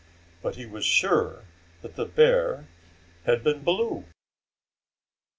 But he was sure that the bear had been blue!